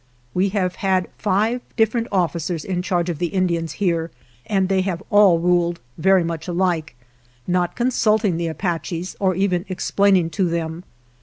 We have had five different officers in charge of the Indians here and they have all ruled very much alike — not consulting the Apaches or even explaining to them.